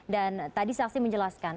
dan tadi saksi menjelaskan